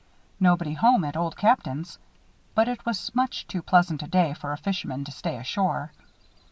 Nobody home at Old Captain's; but it was much too pleasant a day for a fisherman to stay ashore.